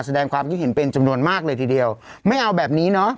แสดงความคิดเห็นเป็นจำนวนมากเลยทีเดียวไม่เอาแบบนี้เนอะ